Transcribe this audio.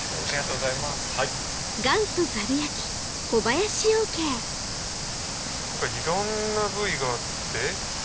いろんな部位があって。